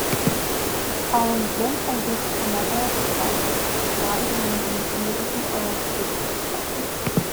Collins then focused on another of his projects, the wide-ranging, musically eclectic Dirtbombs.